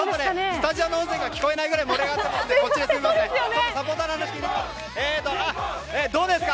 スタジオの音声が聞こえないぐらい盛り上がっています。